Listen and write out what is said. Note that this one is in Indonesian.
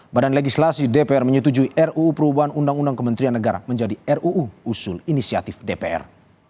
badan legislasi dpr menyetujui ruu perubahan undang undang kementerian negara menjadi ruu usul inisiatif dpr